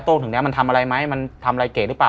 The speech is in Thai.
ตรงนี้มันทำอะไรไหมมันทำอะไรเก๋หรือเปล่า